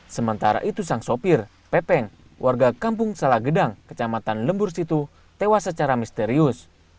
sementara itu sang sopir pepeng warga kampung salagedang kecamatan lembur situ tewas secara misterius